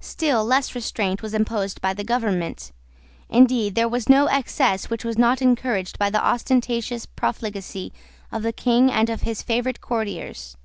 Still less restraint was imposed by the government. Indeed there was no excess which was not encouraged by the ostentatious profligacy of the King and of his favourite courtiers.